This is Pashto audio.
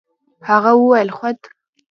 هغه وويل خود.